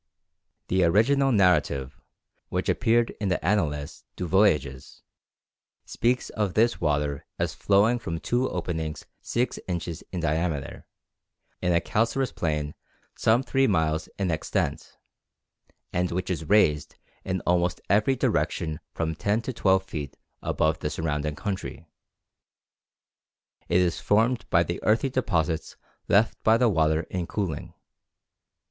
The original narrative, which appeared in the "Annales des Voyages," speaks of this water as flowing from two openings six inches in diameter in a calcareous plain some three miles in extent, and which is raised in almost every direction from ten to twelve feet above the surrounding country. It is formed of the earthy deposits left by the water in cooling.